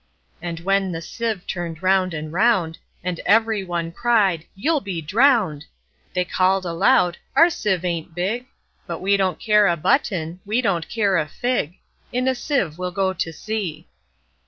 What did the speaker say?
And when the sieve turn'd round and round, And every one cried, "You 'll be drown'd!"They call'd aloud, "Our sieve ain't big:But we don't care a button; we don't care a fig:In a sieve we 'll go to sea!"